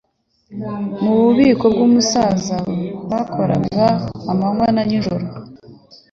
Mu bubiko bwumusaza, bakoraga amanywa n'ijoro.